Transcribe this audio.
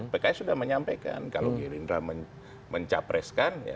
pks sudah menyampaikan kalau gerindra mencapreskan